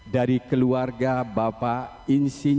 dari keluarga bapak insyam